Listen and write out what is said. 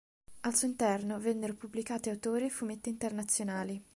Al suo interno vennero pubblicati autori e fumetti internazionali.